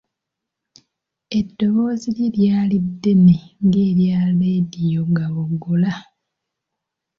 Eddoboozi lye lyali ddene ng’erya leediyo gaboggola.